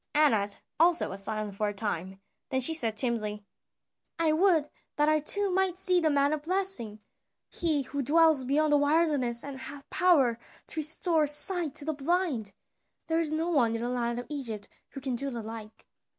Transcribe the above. Anat also was silent for a time, then she said timidly: "I would that I too might see the man of blessing, he who dwells beyond the wilderness and hath power to restore sight to the blind. There is no one in the land of Egypt who can do the like."